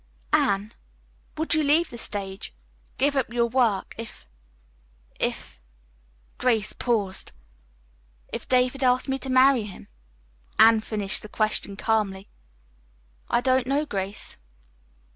"Anne, would you leave the stage, give up your work, if if " Grace paused. "If David asked me to marry him?" Anne finished the question calmly. "I don't know, Grace.